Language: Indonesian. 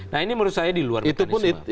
nah ini menurut saya di luar itu